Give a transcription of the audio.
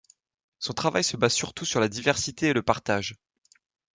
Son travail se base surtout sur la diversité et le partage.